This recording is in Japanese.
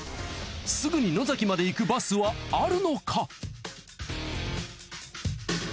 すぐに野崎まで行くバスはあるのか？